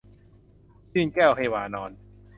ยื่นแก้วให้วานร